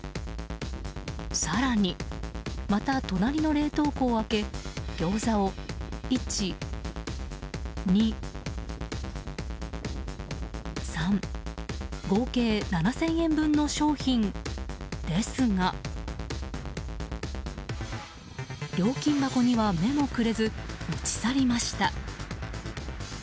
更に、また隣の冷凍庫を開けギョーザを１、２、３。合計７０００円分の商品ですが料金箱には目もくれず持ち去りました。